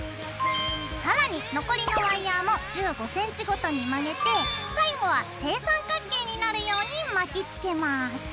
更に残りのワイヤーも１５センチごとに曲げて最後は正三角形になるように巻きつけます。